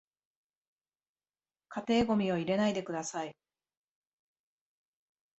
家庭ゴミを入れないでください